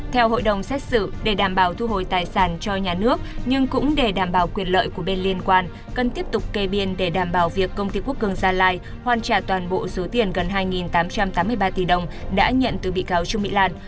theo hội đồng xét xử để đảm bảo thu hồi tài sản cho nhà nước nhưng cũng để đảm bảo quyền lợi của bên liên quan cần tiếp tục kê biên để đảm bảo việc công ty quốc cường gia lai hoàn trả toàn bộ số tiền gần hai tám trăm tám mươi ba tỷ đồng đã nhận từ bị cáo trương mỹ lan